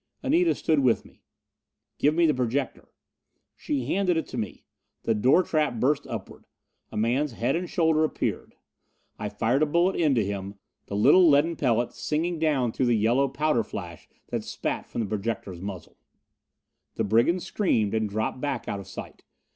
Anita stood with me. "Give me the projector." She handed it to me. The trap door burst upward! A man's head and shoulders appeared. I fired a bullet into him the little leaden pellet singing down through the yellow powder flash that spat from the projector's muzzle. The brigand screamed, and dropped back out of sight.